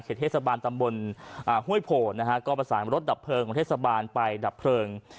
เทศบาลตำบลห้วยโผนะฮะก็ประสานรถดับเพลิงของเทศบาลไปดับเพลิง